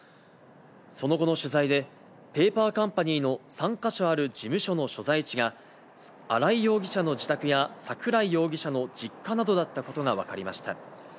その後の取材で、ペーパーカンパニーの３か所ある事務所の所在地が、新井容疑者の自宅や、桜井容疑者の実家などだったことが分かりました。